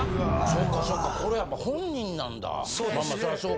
そうかそうかこれやっぱ本人なんだ。